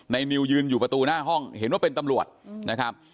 นิวยืนอยู่ประตูหน้าห้องเห็นว่าเป็นตำรวจนะครับ